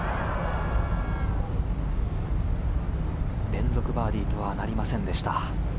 連続バーディーとはなりませんでした。